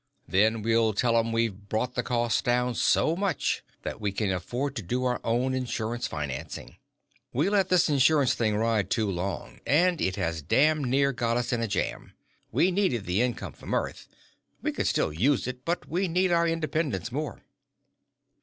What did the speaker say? Then we'll tell 'em we've brought the cost down so much that we can afford to do our own insurance financing. "We let this insurance thing ride too long, and it has damn near got us in a jam. We needed the income from Earth. We still could use it, but we need our independence more."